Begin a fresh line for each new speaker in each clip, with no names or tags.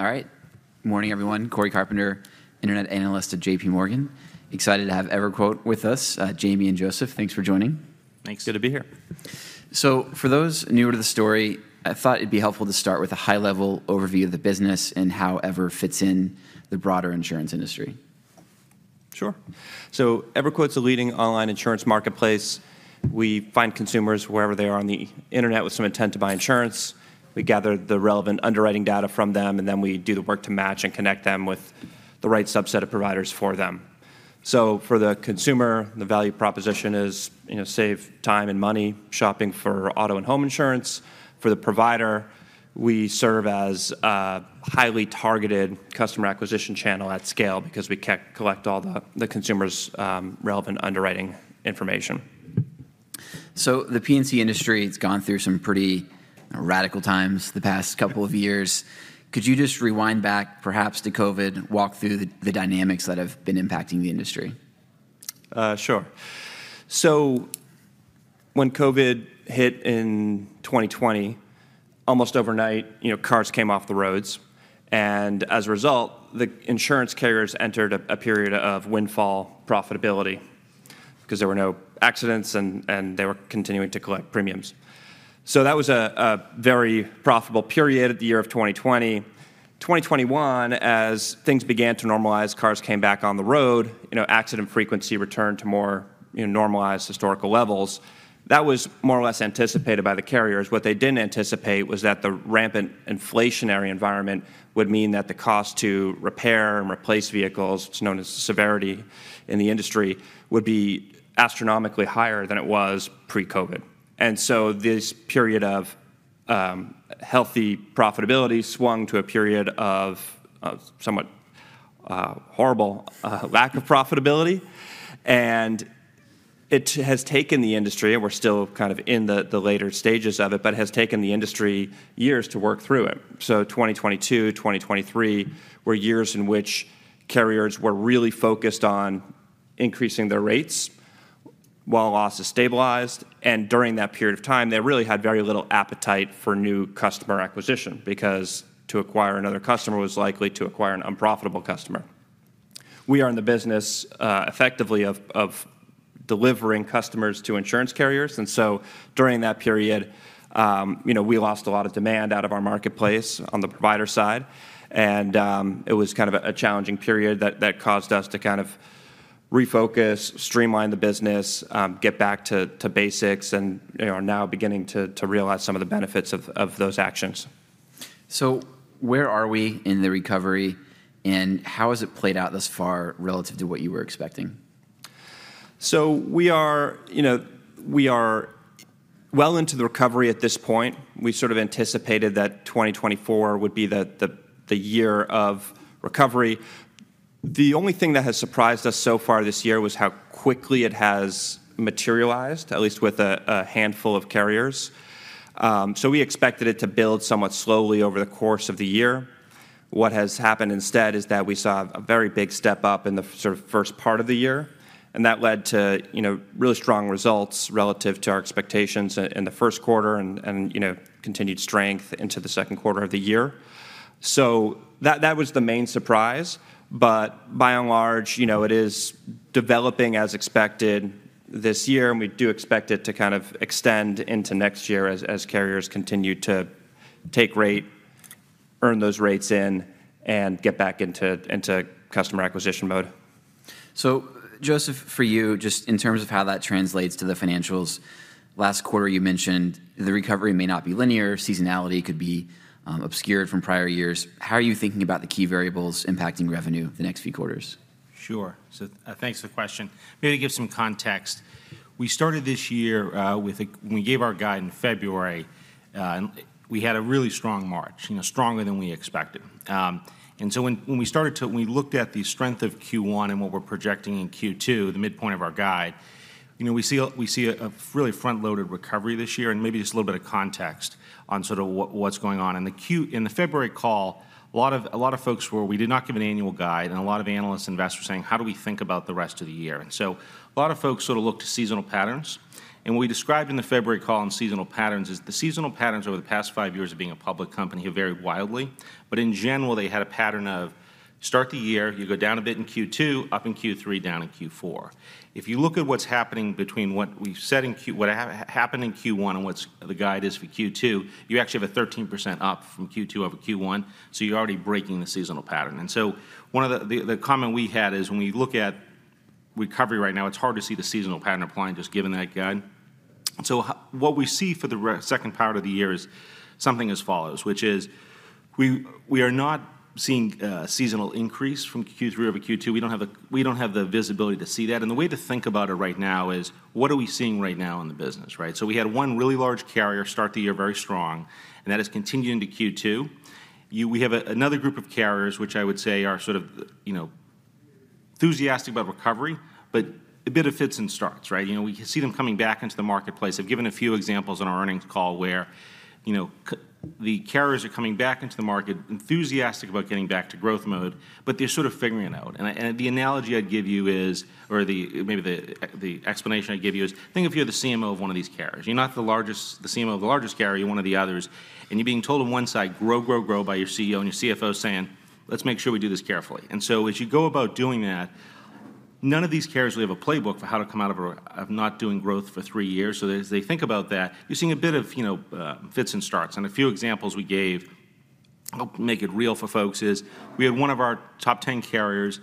All right. Morning, everyone. Cory Carpenter, Internet Analyst at JPMorgan. Excited to have EverQuote with us. Jayme and Joseph, thanks for joining.
Thanks. Good to be here.
For those newer to the story, I thought it'd be helpful to start with a high-level overview of the business and how Ever fits in the broader insurance industry.
Sure. So EverQuote's a leading online insurance marketplace. We find consumers wherever they are on the internet with some intent to buy insurance. We gather the relevant underwriting data from them, and then we do the work to match and connect them with the right subset of providers for them. So for the consumer, the value proposition is, you know, save time and money shopping for auto and home insurance. For the provider, we serve as a highly targeted customer acquisition channel at scale because we collect all the consumer's relevant underwriting information.
So the P&C industry, it's gone through some pretty radical times the past couple of years. Could you just rewind back perhaps to COVID and walk through the dynamics that have been impacting the industry?
Sure. So when COVID hit in 2020, almost overnight, you know, cars came off the roads, and as a result, the insurance carriers entered a period of windfall profitability because there were no accidents, and they were continuing to collect premiums. So that was a very profitable period, the year of 2020. 2021, as things began to normalize, cars came back on the road, you know, accident frequency returned to more, you know, normalized historical levels. That was more or less anticipated by the carriers. What they didn't anticipate was that the rampant inflationary environment would mean that the cost to repair and replace vehicles, it's known as severity in the industry, would be astronomically higher than it was pre-COVID. And so this period of healthy profitability swung to a period of somewhat horrible lack of profitability. It has taken the industry, and we're still kind of in the later stages of it, but it has taken the industry years to work through it. So 2022, 2023, were years in which carriers were really focused on increasing their rates while losses stabilized, and during that period of time, they really had very little appetite for new customer acquisition, because to acquire another customer was likely to acquire an unprofitable customer. We are in the business, effectively of delivering customers to insurance carriers, and so during that period, you know, we lost a lot of demand out of our marketplace on the provider side. It was kind of a challenging period that caused us to kind of refocus, streamline the business, get back to basics, and, you know, are now beginning to realize some of the benefits of those actions.
So where are we in the recovery, and how has it played out thus far relative to what you were expecting?
So we are, you know, we are well into the recovery at this point. We sort of anticipated that 2024 would be the, the, the year of recovery. The only thing that has surprised us so far this year was how quickly it has materialized, at least with a, a handful of carriers. So we expected it to build somewhat slowly over the course of the year. What has happened instead is that we saw a very big step up in the sort of first part of the year, and that led to, you know, really strong results relative to our expectations in, in the first quarter and, and, you know, continued strength into the second quarter of the year. So that was the main surprise, but by and large, you know, it is developing as expected this year, and we do expect it to kind of extend into next year as carriers continue to take rate, earn those rates in, and get back into customer acquisition mode.
So Joseph, for you, just in terms of how that translates to the financials, last quarter, you mentioned the recovery may not be linear. Seasonality could be obscured from prior years. How are you thinking about the key variables impacting revenue the next few quarters?
Sure. So, thanks for the question. Maybe to give some context, we started this year. We gave our guide in February, and we had a really strong March, you know, stronger than we expected. And so when we looked at the strength of Q1 and what we're projecting in Q2, the midpoint of our guide, you know, we see a really front-loaded recovery this year, and maybe just a little bit of context on sort of what's going on. In the February call, we did not give an annual guide, and a lot of analysts and investors were saying: How do we think about the rest of the year? And so a lot of folks sort of looked to seasonal patterns, and what we described in the February call on seasonal patterns is, the seasonal patterns over the past 5 years of being a public company have varied wildly, but in general, they had a pattern of start the year, you go down a bit in Q2, up in Q3, down in Q4. If you look at what's happening between what we've said in Q1 and what happened in Q1 and what's the guide is for Q2, you actually have a 13% up from Q2 over Q1, so you're already breaking the seasonal pattern. And so one of the comment we had is, when we look at recovery right now, it's hard to see the seasonal pattern applying just given that guide. So what we see for the second part of the year is something as follows, which is we are not seeing a seasonal increase from Q3 over Q2. We don't have the visibility to see that. And the way to think about it right now is, what are we seeing right now in the business, right? So we had one really large carrier start the year very strong, and that is continuing to Q2. We have another group of carriers, which I would say are sort of, you know, enthusiastic about recovery, but a bit of fits and starts, right? You know, we can see them coming back into the marketplace. I've given a few examples on our earnings call where, you know, the carriers are coming back into the market, enthusiastic about getting back to growth mode, but they're sort of figuring it out. And the analogy I'd give you is, or the, maybe the explanation I'd give you is, think if you're the CMO of one of these carriers. You're not the largest, the CMO of the largest carrier, you're one of the others, and you're being told on one side, "Grow, grow, grow," by your CEO, and your CFO is saying, "Let's make sure we do this carefully." And so as you go about doing that... none of these carriers really have a playbook for how to come out of a, of not doing growth for three years. So as they think about that, you're seeing a bit of, you know, fits and starts. And a few examples we gave, help make it real for folks is, we had one of our top 10 carriers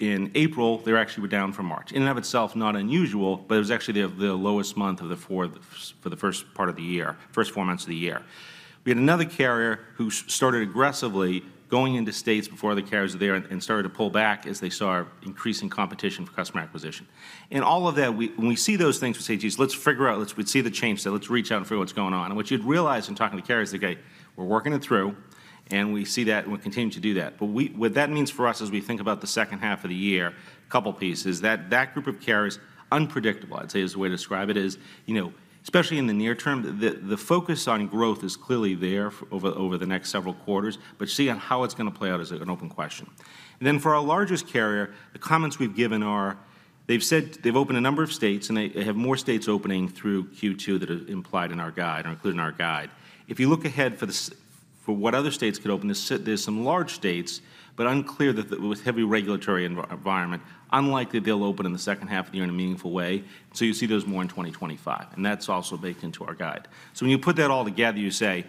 in April, they actually were down from March. In and of itself, not unusual, but it was actually the lowest month of the fourth, for the first part of the year, first four months of the year. We had another carrier who started aggressively going into states before other carriers were there and started to pull back as they saw increasing competition for customer acquisition. In all of that, we, when we see those things, we say, "Geez, let's figure out. We see the change, so let's reach out and figure what's going on." And what you'd realize in talking to carriers is, okay, we're working it through, and we see that, and we'll continue to do that. But what that means for us as we think about the second half of the year, a couple pieces. That group of carriers, unpredictable, I'd say, is the way to describe it, you know, especially in the near term, the focus on growth is clearly there over the next several quarters, but seeing how it's going to play out is an open question. And then for our largest carrier, the comments we've given are, they've said they've opened a number of states, and they have more states opening through Q2 that are implied in our guide, are included in our guide. If you look ahead for what other states could open, there's some large states, but unclear that the, with heavy regulatory environment, unlikely they'll open in the second half of the year in a meaningful way. So you see those more in 2025, and that's also baked into our guide. So when you put that all together, you say,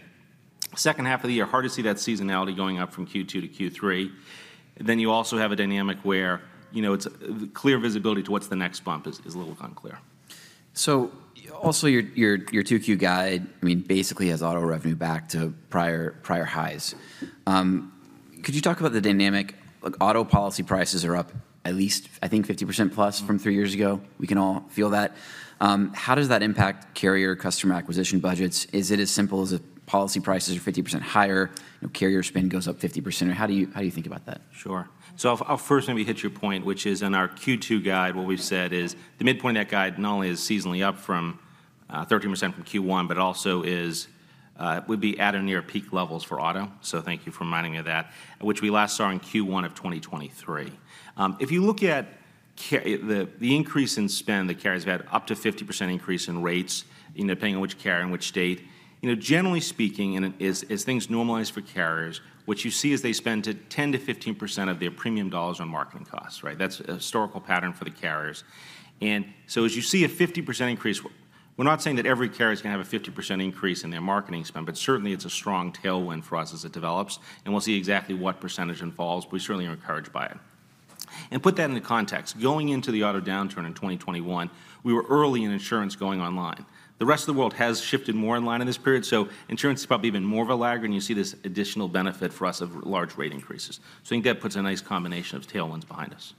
second half of the year, hard to see that seasonality going up from Q2 to Q3. Then you also have a dynamic where, you know, it's clear visibility to what's the next bump is a little unclear.
So also, your 2Q guide, I mean, basically has auto revenue back to prior highs. Could you talk about the dynamic? Look, auto policy prices are up at least, I think, 50% plus from three years ago. We can all feel that. How does that impact carrier customer acquisition budgets? Is it as simple as if policy prices are 50% higher, you know, carrier spend goes up 50%? Or how do you think about that?
Sure. So I'll, I'll first maybe hit your point, which is in our Q2 guide, what we've said is the midpoint of that guide not only is seasonally up from 13% from Q1, but also is would be at or near peak levels for auto. So thank you for reminding me of that, which we last saw in Q1 of 2023. If you look at the increase in spend, the carriers have had up to 50% increase in rates, you know, depending on which carrier and which state. You know, generally speaking, and as things normalize for carriers, what you see is they spend 10%-15% of their premium dollars on marketing costs, right? That's a historical pattern for the carriers. As you see a 50% increase, we're not saying that every carrier is going to have a 50% increase in their marketing spend, but certainly, it's a strong tailwind for us as it develops, and we'll see exactly what percentage it involves, but we certainly are encouraged by it. Put that into context. Going into the auto downturn in 2021, we were early in insurance going online. The rest of the world has shifted more online in this period, so insurance is probably even more of a lag, and you see this additional benefit for us of large rate increases. I think that puts a nice combination of tailwinds behind us.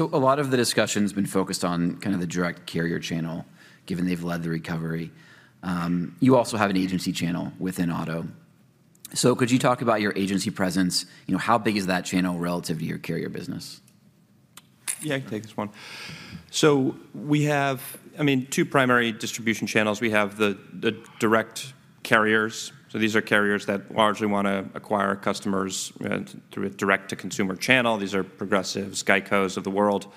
A lot of the discussion's been focused on kind of the direct carrier channel, given they've led the recovery. You also have an agency channel within auto. Could you talk about your agency presence? You know, how big is that channel relative to your carrier business?
Yeah, I can take this one. So we have, I mean, two primary distribution channels. We have the direct carriers, so these are carriers that largely want to acquire customers through a direct-to-consumer channel. These are Progressives, GEICOs of the world.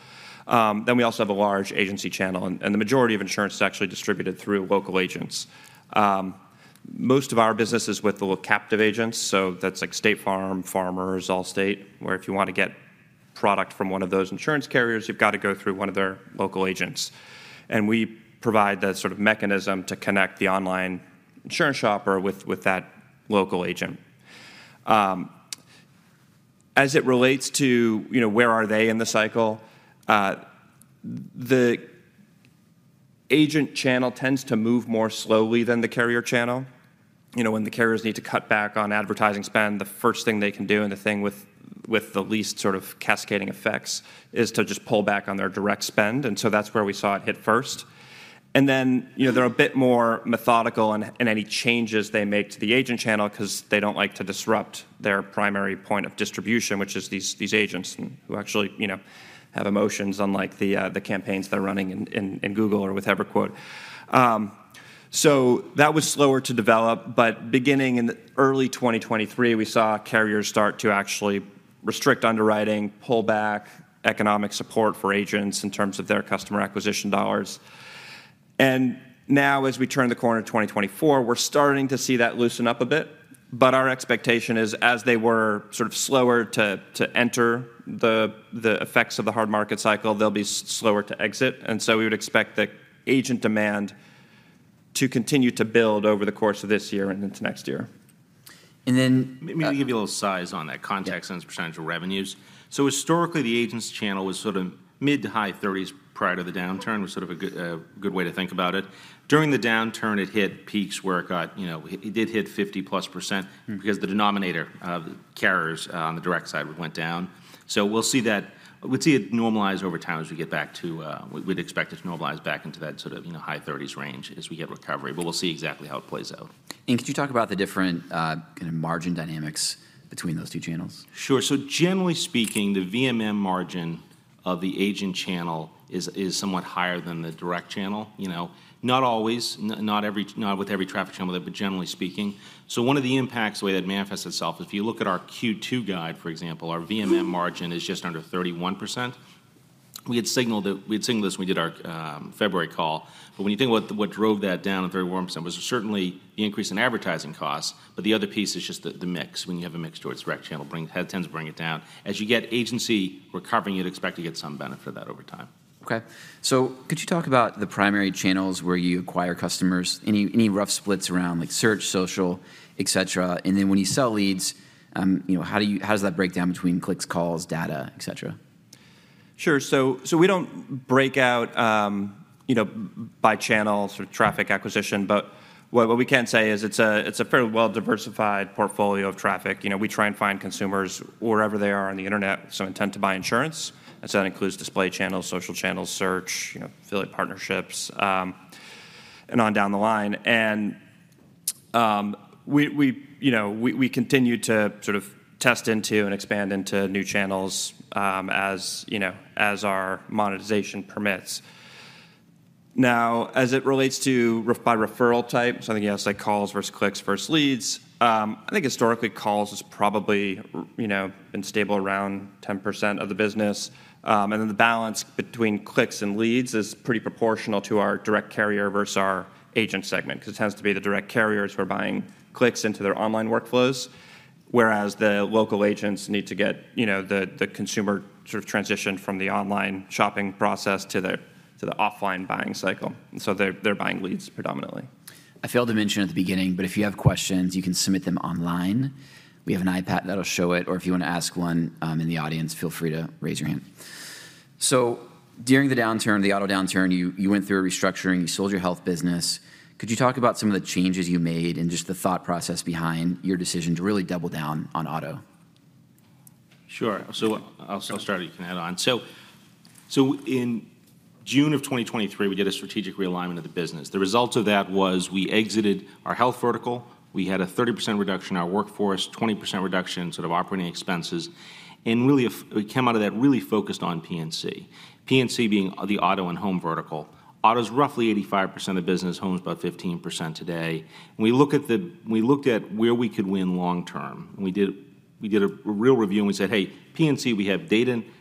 Then we also have a large agency channel, and the majority of insurance is actually distributed through local agents. Most of our business is with the captive agents, so that's like State Farm, Farmers, Allstate, where if you want to get product from one of those insurance carriers, you've got to go through one of their local agents. And we provide that sort of mechanism to connect the online insurance shopper with that local agent. As it relates to, you know, where are they in the cycle, the agent channel tends to move more slowly than the carrier channel. You know, when the carriers need to cut back on advertising spend, the first thing they can do, and the thing with the least sort of cascading effects, is to just pull back on their direct spend, and so that's where we saw it hit first. And then, you know, they're a bit more methodical in any changes they make to the agent channel because they don't like to disrupt their primary point of distribution, which is these agents, who actually, you know, have emotions unlike the campaigns that are running in Google or with EverQuote. So that was slower to develop, but beginning in early 2023, we saw carriers start to actually restrict underwriting, pull back economic support for agents in terms of their customer acquisition dollars. And now, as we turn the corner to 2024, we're starting to see that loosen up a bit, but our expectation is, as they were sort of slower to enter the effects of the hard market cycle, they'll be slower to exit. And so we would expect the agent demand to continue to build over the course of this year and into next year.
And then-
Let me give you a little size on that, context on its percentage of revenues. So historically, the agents channel was sort of mid- to high-30s% prior to the downturn, was sort of a good, a good way to think about it. During the downturn, it hit peaks where it got, you know, it did hit 50+%-
Mm-hmm.
Because the denominator of carriers on the direct side went down. So we'll see that, we'll see it normalize over time as we get back to... We'd expect it to normalize back into that sort of, you know, high thirties range as we get recovery, but we'll see exactly how it plays out.
Could you talk about the different, kind of margin dynamics between those two channels?
Sure. So generally speaking, the VMM margin of the agent channel is somewhat higher than the direct channel. You know, not always, not every, not with every traffic channel, but generally speaking. So one of the impacts, the way that manifests itself, if you look at our Q2 guide, for example, our VMM margin is just under 31%. We had signaled it, we had signaled this when we did our February call. But when you think about what drove that down a very warm percent, was certainly the increase in advertising costs, but the other piece is just the mix. When you have a mix towards direct channel, it tends to bring it down. As you get agency recovering, you'd expect to get some benefit of that over time. ...
Okay, so could you talk about the primary channels where you acquire customers? Any rough splits around, like, search, social, et cetera. And then when you sell leads, you know, how does that break down between clicks, calls, data, et cetera?
Sure. So we don't break out, you know, by channels or traffic acquisition, but what we can say is it's a fairly well-diversified portfolio of traffic. You know, we try and find consumers wherever they are on the internet, so intent to buy insurance. And so that includes display channels, social channels, search, you know, affiliate partnerships, and on down the line. We, you know, we continue to sort of test into and expand into new channels, you know, as our monetization permits. Now, as it relates to referral by referral type, so I think you asked, like, calls versus clicks versus leads. I think historically, calls is probably you know, been stable around 10% of the business. And then the balance between clicks and leads is pretty proportional to our direct carrier versus our agent segment, 'cause it tends to be the direct carriers who are buying clicks into their online workflows, whereas the local agents need to get, you know, the consumer sort of transitioned from the online shopping process to the offline buying cycle, and so they're buying leads predominantly.
I failed to mention at the beginning, but if you have questions, you can submit them online. We have an iPad that'll show it, or if you want to ask one, in the audience, feel free to raise your hand. So during the downturn, the auto downturn, you went through a restructuring, you sold your health business. Could you talk about some of the changes you made and just the thought process behind your decision to really double down on auto?
Sure. So I'll, I'll start, you can add on. So, so in June of 2023, we did a strategic realignment of the business. The result of that was we exited our health vertical, we had a 30% reduction in our workforce, 20% reduction in sort of operating expenses, and really, we came out of that really focused on P&C. P&C being the auto and home vertical. Auto's roughly 85% of business, home's about 15% today. We look at the-- we looked at where we could win long term, and we did, we did a, a real review, and we said, "Hey, P&C, we have data and tech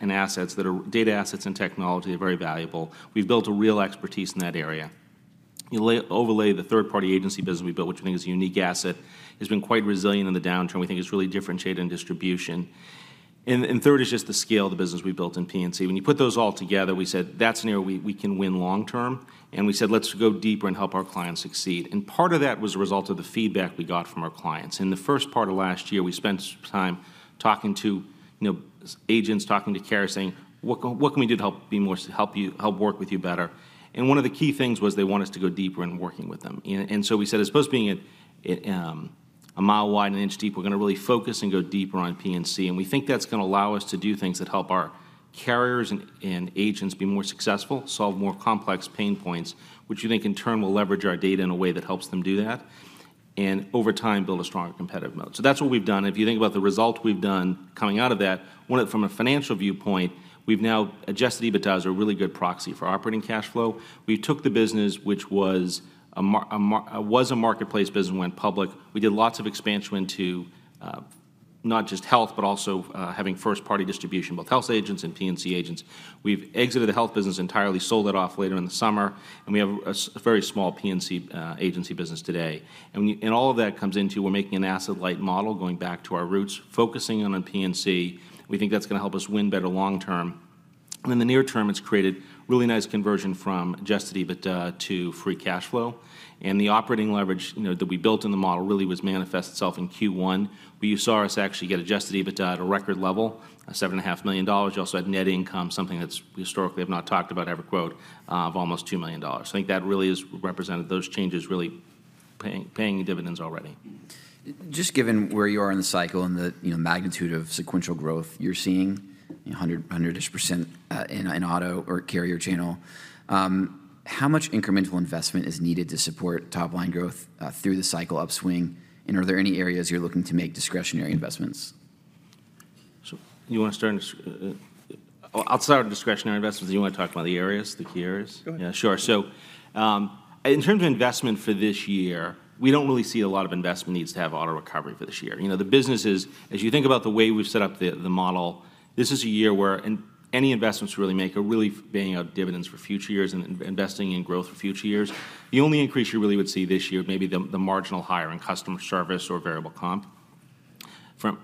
and assets that are... Data, assets, and technology are very valuable. We've built a real expertise in that area." You overlay the third-party agency business we built, which we think is a unique asset, has been quite resilient in the downturn. We think it's really differentiated in distribution. And third is just the scale of the business we built in P&C. When you put those all together, we said, "That's an area we can win long term," and we said, "Let's go deeper and help our clients succeed." And part of that was a result of the feedback we got from our clients. In the first part of last year, we spent some time talking to, you know, agents, talking to carriers, saying, "What can we do to help be more, help you, help work with you better?" And one of the key things was they want us to go deeper in working with them. So we said, as opposed to being at a mile wide and an inch deep, we're gonna really focus and go deeper on P&C, and we think that's gonna allow us to do things that help our carriers and agents be more successful, solve more complex pain points, which we think in turn will leverage our data in a way that helps them do that, and over time, build a stronger competitive moat. So that's what we've done. If you think about the results coming out of that, from a financial viewpoint, we've now Adjusted EBITDA as a really good proxy for operating cash flow. We took the business, which was a marketplace business, and went public. We did lots of expansion into not just health, but also having first-party distribution, both health agents and P&C agents. We've exited the health business entirely, sold it off later in the summer, and we have a very small P&C agency business today. And all of that comes into we're making an asset-light model, going back to our roots, focusing in on P&C. We think that's gonna help us win better long term. And in the near term, it's created really nice conversion from adjusted EBITDA to free cash flow. And the operating leverage, you know, that we built in the model really manifested itself in Q1, where you saw us actually get adjusted EBITDA at a record level, $7.5 million. You also had net income, something that's historically have not talked about EverQuote, of almost $2 million. I think that really is represented, those changes really paying dividends already.
Just given where you are in the cycle and the, you know, magnitude of sequential growth you're seeing, you know, 100, 100-ish% in auto or carrier channel, how much incremental investment is needed to support top-line growth through the cycle upswing, and are there any areas you're looking to make discretionary investments?
So you want to start... I'll start with discretionary investments. You want to talk about the areas, the key areas?
Go ahead.
Yeah, sure. So, in terms of investment for this year, we don't really see a lot of investment needs to have auto recovery for this year. You know, the business is, as you think about the way we've set up the, the model, this is a year where any investments we really make are really paying out dividends for future years and investing in growth for future years. The only increase you really would see this year may be the, the marginal hire in customer service or variable comp.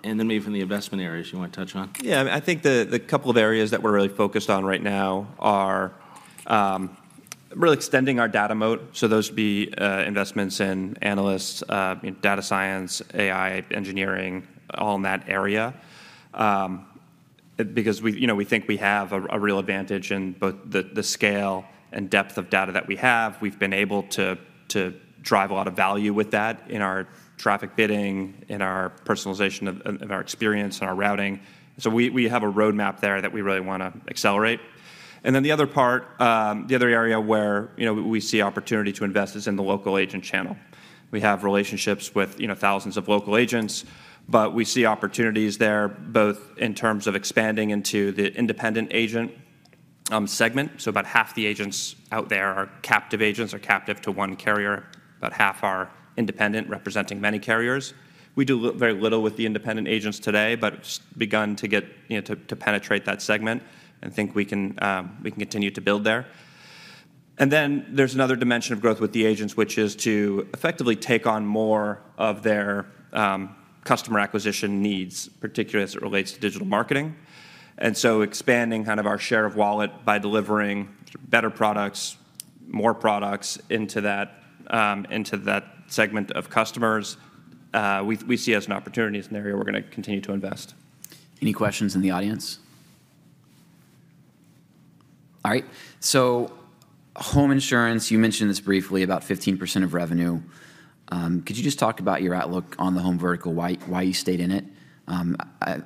And then maybe from the investment areas, you want to touch on?
Yeah, I think the couple of areas that we're really focused on right now are really extending our data moat, so those would be investments in analysts, you know, data science, AI, engineering, all in that area. Because we, you know, we think we have a real advantage in both the scale and depth of data that we have. We've been able to drive a lot of value with that in our traffic bidding, in our personalization of our experience, in our routing. So we have a roadmap there that we really want to accelerate. And then the other part, the other area where, you know, we see opportunity to invest is in the local agent channel. We have relationships with, you know, thousands of local agents, but we see opportunities there, both in terms of expanding into the independent agent segment. So about half the agents out there are captive agents, are captive to one carrier, about half are independent, representing many carriers. We do very little with the independent agents today, but just begun to get, you know, to penetrate that segment and think we can continue to build there. And then there's another dimension of growth with the agents, which is to effectively take on more of their customer acquisition needs, particularly as it relates to digital marketing. And so expanding kind of our share of wallet by delivering better products, more products into that segment of customers, we see as an opportunity and an area we're going to continue to invest.
Any questions in the audience? All right. Home insurance, you mentioned this briefly, about 15% of revenue. Could you just talk about your outlook on the home vertical, why you stayed in it,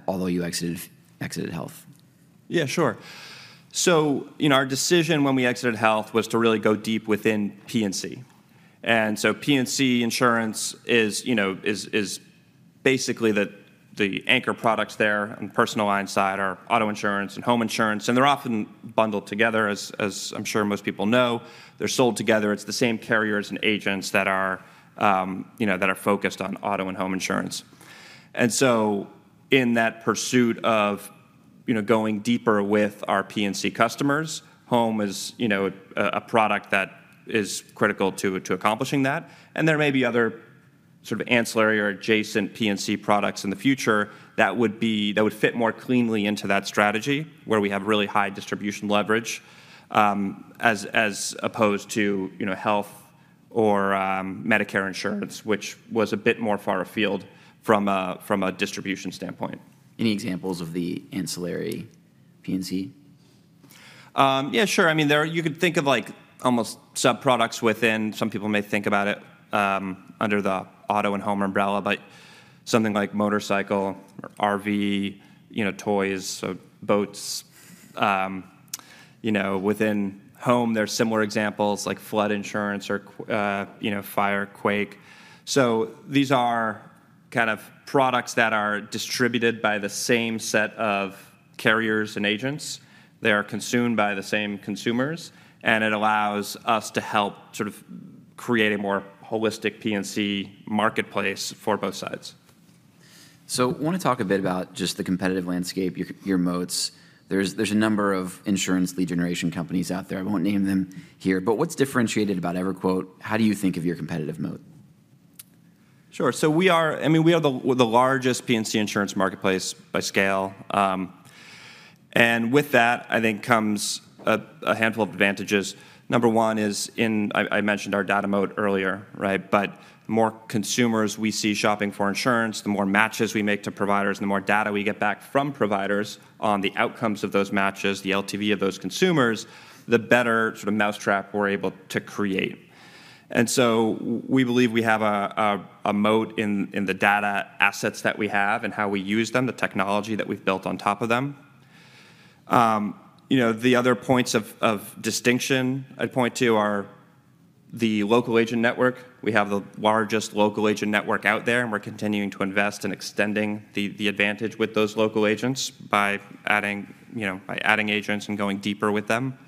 although you exited health?
Yeah, sure. So, you know, our decision when we exited health was to really go deep within P&C. And so P&C insurance is, you know, basically the anchor products there on the personal line side are auto insurance and home insurance, and they're often bundled together, as I'm sure most people know. They're sold together. It's the same carriers and agents that are, you know, that are focused on auto and home insurance. And so in that pursuit of, you know, going deeper with our P&C customers, home is, you know, a product that is critical to accomplishing that. There may be other sort of ancillary or adjacent P&C products in the future that would fit more cleanly into that strategy, where we have really high distribution leverage, as opposed to, you know, health or Medicare insurance, which was a bit more far afield from a distribution standpoint.
Any examples of the ancillary P&C?
Yeah, sure. I mean, there you could think of, like, almost subproducts within. Some people may think about it under the auto and home umbrella, but something like motorcycle or RV, you know, toys, so boats. You know, within home, there are similar examples, like flood insurance or, you know, fire, quake. So these are kind of products that are distributed by the same set of carriers and agents. They are consumed by the same consumers, and it allows us to help sort of create a more holistic P&C marketplace for both sides.
So I want to talk a bit about just the competitive landscape, your moats. There's a number of insurance lead generation companies out there. I won't name them here, but what's differentiated about EverQuote? How do you think of your competitive moat?
Sure. So we are... I mean, we are the largest P&C insurance marketplace by scale. And with that, I think, comes a handful of advantages. Number one is, I mentioned our data moat earlier, right? But the more consumers we see shopping for insurance, the more matches we make to providers, the more data we get back from providers on the outcomes of those matches, the LTV of those consumers, the better sort of mousetrap we're able to create. And so we believe we have a moat in the data assets that we have and how we use them, the technology that we've built on top of them. You know, the other points of distinction I'd point to are the local agent network. We have the largest local agent network out there, and we're continuing to invest in extending the advantage with those local agents by adding, you know, by adding agents and going deeper with them.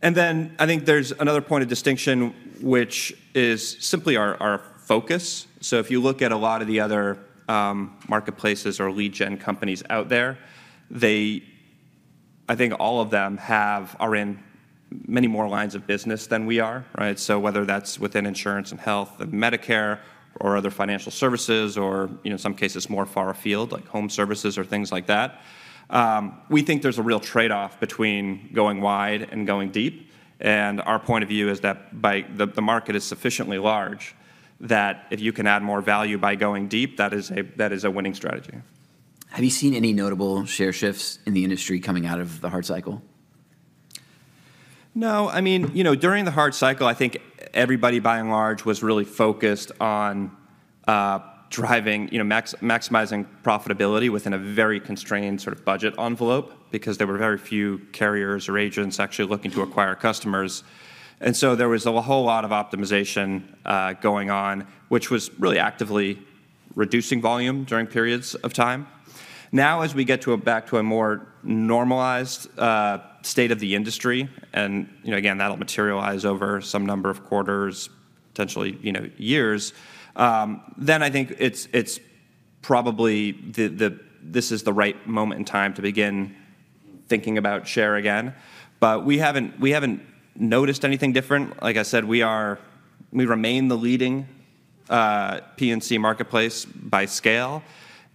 And then I think there's another point of distinction, which is simply our focus. So if you look at a lot of the other marketplaces or lead gen companies out there, they. I think all of them are in many more lines of business than we are, right? So whether that's within insurance and health and Medicare or other financial services or, you know, in some cases, more far afield, like home services or things like that. We think there's a real trade-off between going wide and going deep, and our point of view is that by...The market is sufficiently large that if you can add more value by going deep, that is a winning strategy.
Have you seen any notable share shifts in the industry coming out of the hard cycle?
No. I mean, you know, during the hard cycle, I think everybody, by and large, was really focused on driving, you know, maximizing profitability within a very constrained sort of budget envelope because there were very few carriers or agents actually looking to acquire customers. And so there was a whole lot of optimization going on, which was really actively reducing volume during periods of time. Now, as we get back to a more normalized state of the industry, and, you know, again, that'll materialize over some number of quarters, potentially, you know, years, then I think it's probably, this is the right moment in time to begin thinking about share again. But we haven't noticed anything different. Like I said, we remain the leading P&C marketplace by scale,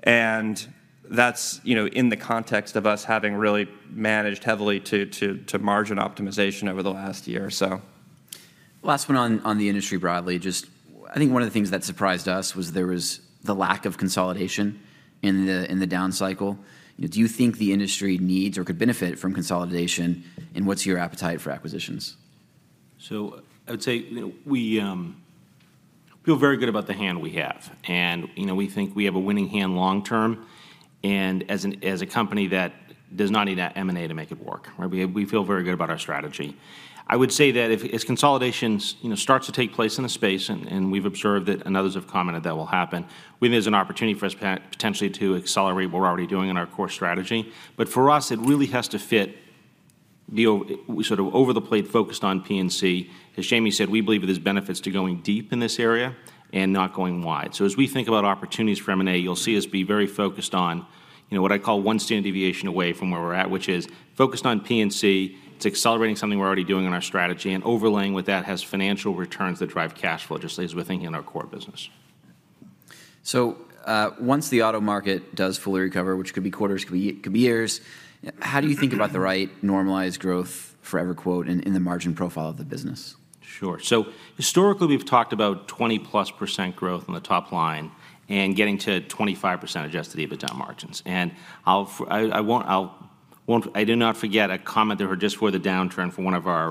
and that's, you know, in the context of us having really managed heavily to margin optimization over the last year, so.
Last one on the industry broadly. Just, I think one of the things that surprised us was there was the lack of consolidation in the down cycle. You know, do you think the industry needs or could benefit from consolidation, and what's your appetite for acquisitions?
So I would say, you know, we feel very good about the hand we have, and, you know, we think we have a winning hand long term, and as a company that does not need that M&A to make it work, right? We, we feel very good about our strategy. I would say that if as consolidations, you know, start to take place in the space, and, and we've observed it and others have commented that will happen, we think there's an opportunity for us potentially to accelerate what we're already doing in our core strategy. But for us, it really has to fit the sort of over the plate focused on P&C. As Jayme said, we believe there's benefits to going deep in this area and not going wide. So as we think about opportunities for M&A, you'll see us be very focused on, you know, what I call one standard deviation away from where we're at, which is focused on P&C. It's accelerating something we're already doing in our strategy, and overlaying with that has financial returns that drive cash flow, just as we're thinking in our core business....
So, once the auto market does fully recover, which could be quarters, could be, could be years, how do you think about the right normalized growth for EverQuote in, in the margin profile of the business?
Sure. So historically, we've talked about 20+% growth on the top line and getting to 25% Adjusted EBITDA margins. And I will not forget a comment that were just before the downturn from one of our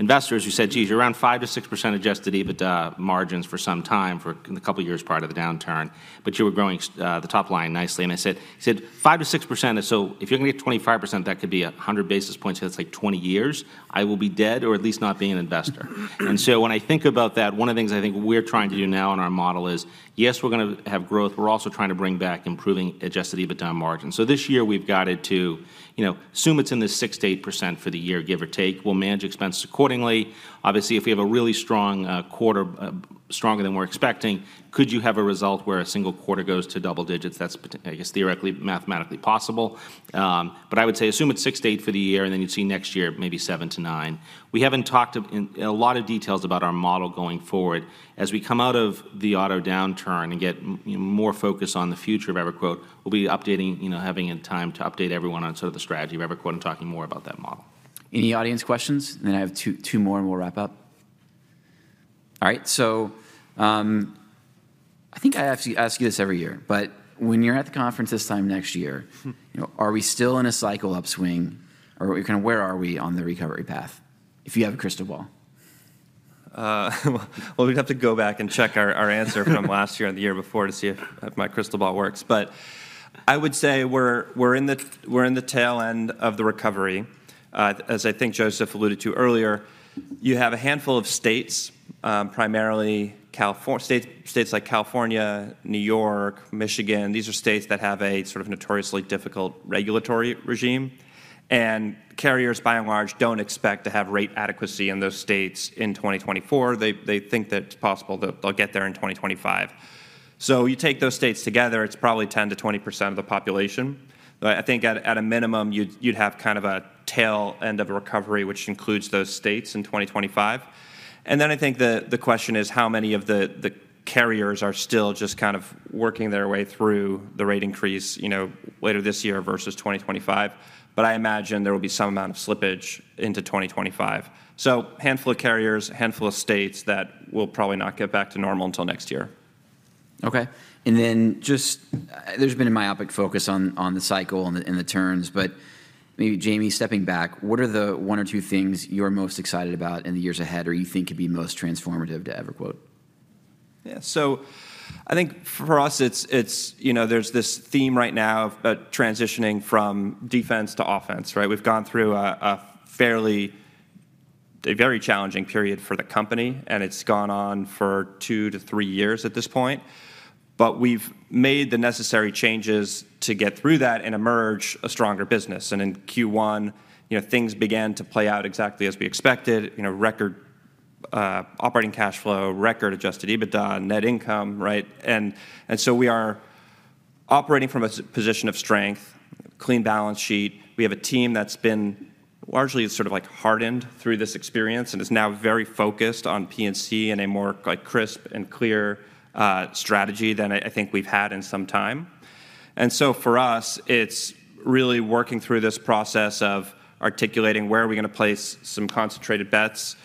investors, who said, "Geez, you're around 5%-6% Adjusted EBITDA margins for some time," for in the couple of years prior to the downturn, "but you were growing the top line nicely." And he said, "5%-6%, so if you're going to get 25%, that could be 100 basis points. So that's like 20 years. I will be dead, or at least not being an investor." And so when I think about that, one of the things I think we're trying to do now in our model is, yes, we're gonna have growth. We're also trying to bring back improving Adjusted EBITDA margins. So this year we've got it to, you know, assume it's 6%-8% for the year, give or take. We'll manage expenses accordingly. Obviously, if we have a really strong quarter, stronger than we're expecting, could you have a result where a single quarter goes to double digits? That's, I guess, theoretically, mathematically possible. But I would say assume it's 6%-8% for the year, and then you'd see next year, maybe 7%-9%. We haven't talked in a lot of details about our model going forward. As we come out of the auto downturn and get more focused on the future of EverQuote, we'll be updating, you know, having a time to update everyone on sort of the strategy of EverQuote and talking more about that model.
Any audience questions? Then I have two more, and we'll wrap up. All right, so, I think I have to ask you this every year, but when you're at the conference this time next year... you know, are we still in a cycle upswing, or kind of where are we on the recovery path, if you have a crystal ball?
Well, we'd have to go back and check our answer from last year and the year before to see if my crystal ball works. But I would say we're in the tail end of the recovery. As I think Joseph alluded to earlier, you have a handful of states, primarily states like California, New York, Michigan. These are states that have a sort of notoriously difficult regulatory regime, and carriers, by and large, don't expect to have rate adequacy in those states in 2024. They think that it's possible that they'll get there in 2025. So you take those states together, it's probably 10%-20% of the population. But I think at a minimum, you'd have kind of a tail end of a recovery, which includes those states in 2025. And then I think the question is how many of the carriers are still just kind of working their way through the rate increase, you know, later this year versus 2025. But I imagine there will be some amount of slippage into 2025. So handful of carriers, a handful of states that will probably not get back to normal until next year.
Okay. And then just, there's been a myopic focus on the cycle and the turns. But maybe, Jayme, stepping back, what are the one or two things you're most excited about in the years ahead or you think could be most transformative to EverQuote?
Yeah. So I think for us, it's, it's, you know, there's this theme right now of transitioning from defense to offense, right? We've gone through a very challenging period for the company, and it's gone on for 2-3 years at this point. But we've made the necessary changes to get through that and emerge a stronger business. And in Q1, you know, things began to play out exactly as we expected. You know, record operating cash flow, record Adjusted EBITDA and net income, right? And so we are operating from a strong position of strength, clean balance sheet. We have a team that's been largely sort of, like, hardened through this experience and is now very focused on P&C and a more, like, crisp and clear strategy than I think we've had in some time. And so for us, it's really working through this process of articulating where are we gonna place some concentrated bets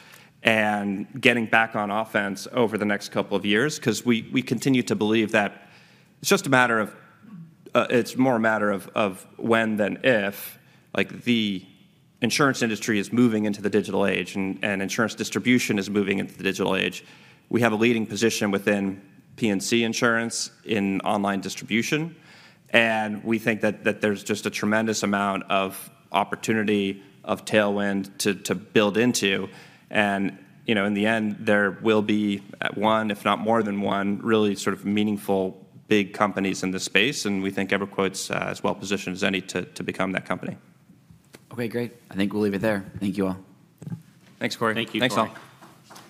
and getting back on offense over the next couple of years, 'cause we, we continue to believe that it's just a matter of, it's more a matter of, of when than if. Like, the insurance industry is moving into the digital age, and, and insurance distribution is moving into the digital age. We have a leading position within P&C insurance in online distribution, and we think that, that there's just a tremendous amount of opportunity of tailwind to, to build into. And, you know, in the end, there will be, one, if not more than one, really sort of meaningful, big companies in this space, and we think EverQuote's, as well positioned as any to, to become that company.
Okay, great. I think we'll leave it there. Thank you, all.
Thanks, Cory.
Thank you, Cory.
Thanks, all.